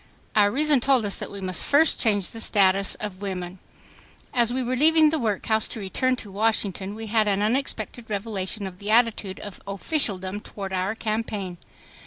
Our reason told us that we must first change the status of women. As we were leaving the workhouse to return to Washington we had an unexpected revelation of the attitude of officialdom toward our campaign.